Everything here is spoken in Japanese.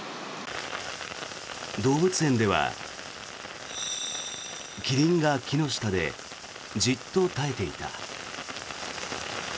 動物園ではキリンが木の下でじっと耐えていた。